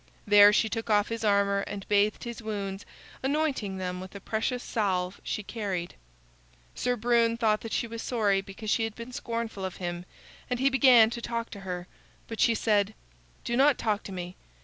There she took off his armor and bathed his wounds, anointing them with a precious salve she carried. Sir Brune thought that she was sorry because she had been scornful of him, and he began to talk to her. But she said: "Do not talk to me.